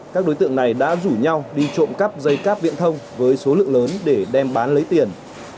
các đối tượng này đã rủ nhau đi trộm cắp dây cáp viễn thông với số lượng lớn để đem bán lấy tiền